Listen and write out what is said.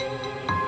terima kasih pak